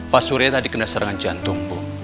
pak surya tadi kena serangan jantung bu